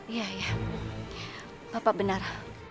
iya iya bapak benar